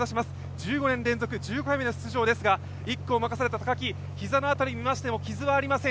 １５年連続１５回目の出場ですが、１区を任された高木膝の辺りを見ましても、傷はありません。